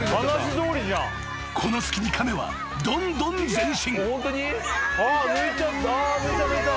［この隙に亀はどんどん前進］